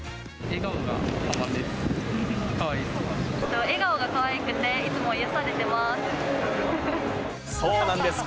笑顔がかわいくて、いつも癒そうなんです。